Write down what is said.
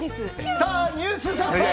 スター☆ニュース速報！